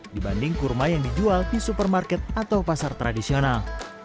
dibanding kurma yang dijual di supermarket atau pasar tradisional